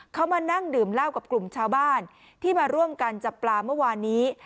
เขามานั่งดื่มเหล้ากับกลุ่มชาวบ้านที่มาร่วมกันจับปลาเมื่อวานนี้